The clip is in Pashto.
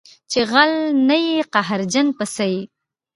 چې غل نه یې قهرجن په څه یې